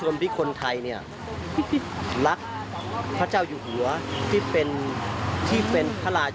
ยิ่งใหญ่และวิเศษที่สุด